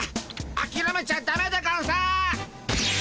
あきらめちゃダメでゴンス。